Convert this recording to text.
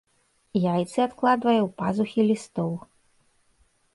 Яйцы адкладвае ў пазухі лістоў.